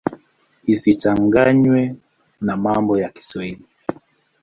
Isichanganywe na mambo ya Kiswahili.